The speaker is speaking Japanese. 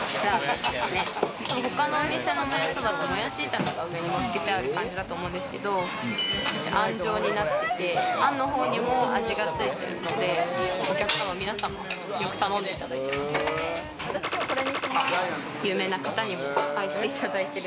他のお店のもやしそばって、もやし炒めが上に乗っけてある感じだと思うんですけど、うちはあん状になってて、あんの方にも味がついているのでお客様、皆様よく頼んでいただいてます。とか有名な方にも愛していただいている。